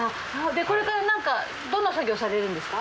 これからなんかどんな作業されるんですか？